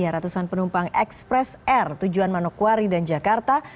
ratusan penumpang ekspres air tujuan manokwari dan jakarta